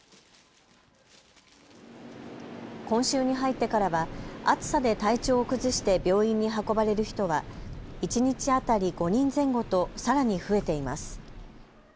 今週に入ってからは暑さで体調を崩して病院に運ばれる人は一日当たり５人前後とさらに増えています。